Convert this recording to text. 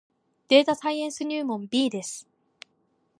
データサイエンス入門 B です